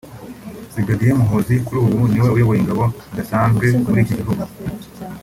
Brig Muhoozi kuri ubu niwe uyoboye ingabo zidasanzwe muri iki gihugu